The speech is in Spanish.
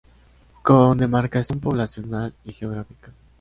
Con demarcación poblacional y geográfica.